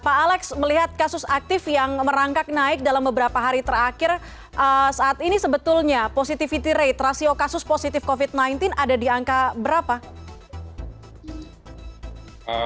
pak alex melihat kasus aktif yang merangkak naik dalam beberapa hari terakhir saat ini sebetulnya positivity rate rasio kasus positif covid sembilan belas ada di angka berapa